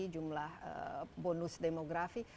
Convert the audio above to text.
jumlah bonus demografi